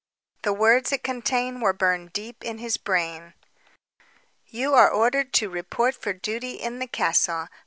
The words it contained were burned deep in his brain: "You are ordered to report for duty in the castle.